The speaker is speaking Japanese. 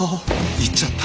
言っちゃった。